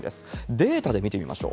データで見てみましょう。